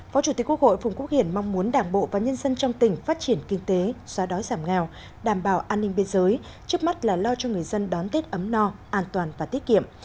phó chủ tịch quốc hội phùng quốc hiển mong muốn đảng bộ và nhân dân trong tỉnh phát triển kinh tế xóa đói giảm nghèo đảm bảo an ninh biên giới trước mắt là lo cho người dân đón tết ấm no an toàn và tiết kiệm